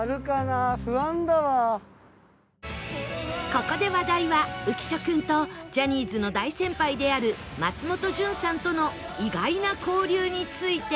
ここで話題は浮所君とジャニーズの大先輩である松本潤さんとの意外な交流について